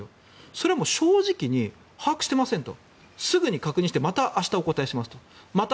それは正直に把握していませんとすぐに確認してまた明日お答えしますと。